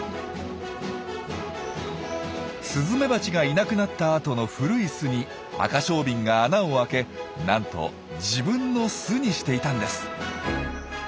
スズメバチがいなくなった後の古い巣にアカショウビンが穴をあけなんと自分の巣にしていたんです。